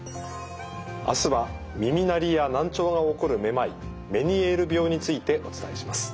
あすは耳鳴りや難聴が起こるめまいメニエール病についてお伝えします。